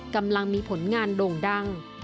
กำลังมีผลงานโด่งดัง